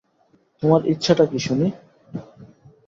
তোমার ইচ্ছেটা কী শুনি?